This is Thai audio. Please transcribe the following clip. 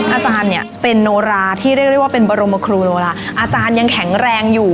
อาจารย์เนี่ยเป็นโนราที่เรียกได้ว่าเป็นบรมครูโนราอาจารย์ยังแข็งแรงอยู่